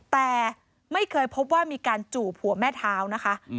แต่ไม่เคยพบว่ามีการจูบหัวแม่เท้านะคะ